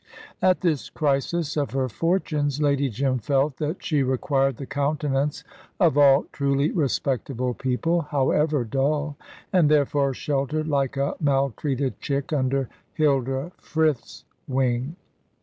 At this crisis of her fortunes Lady Jim felt that she required the countenance of all truly respectable people, however dull, and therefore sheltered like a maltreated chick under Hilda Frith's wing.